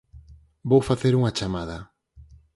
Vou facer unha chamada.